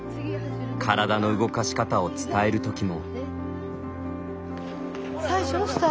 体の動かし方を伝えるときも。